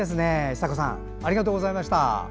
久子さんありがとうございました。